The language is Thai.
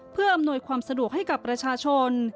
เพื่ออำนวยความสะดวกให้กับประชาชน